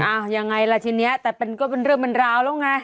อ้าวยังไงล่ะชิ้นนี้แต่ก็เป็นเรื่องบรรดาวแล้วไง